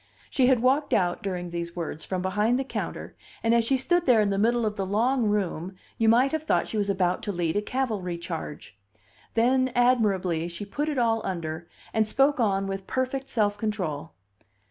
She had walked out, during these words, from behind the counter and as she stood there in the middle of the long room you might have thought she was about to lead a cavalry charge. Then, admirably, she put it all under, and spoke on with perfect self control.